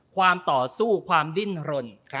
ความต่อสู้ความดิ้นหล่น